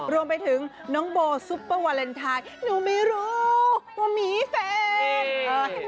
รวมไปถึงน้องโบซุปเปอร์วาเลนไทยหนูไม่รู้ว่าหมีแฟน